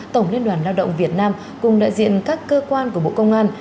tổng liên đoàn lao động việt nam cùng đại diện các cơ quan của bộ công an